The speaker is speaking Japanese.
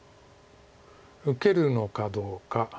受けるのかどうか。